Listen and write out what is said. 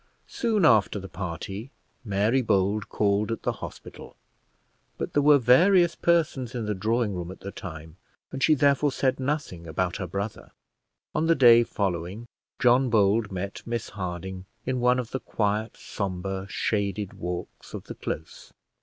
Soon after the party Mary Bold called at the hospital, but there were various persons in the drawing room at the time, and she therefore said nothing about her brother. On the day following, John Bold met Miss Harding in one of the quiet, sombre, shaded walks of the close.